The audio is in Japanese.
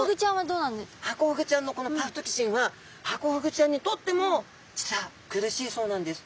ハコフグちゃんのこのパフトキシンはハコフグちゃんにとっても実は苦しいそうなんです。